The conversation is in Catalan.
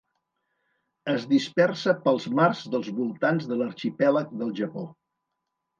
Es dispersa pels mars dels voltants de l'arxipèlag del Japó.